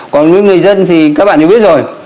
còn với người dân thì các bạn đều biết rồi